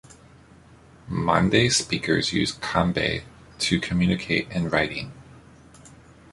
Mande speakers use "kangbe" to communicate in writing.